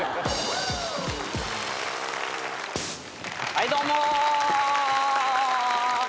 はいどうも。